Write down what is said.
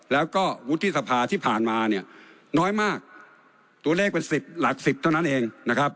แล้วก็วุฒิสภาที่ผ่านมาน้อยมากตัวเลขเป็น๑๐หลัก๑๐เท่านั้นเอง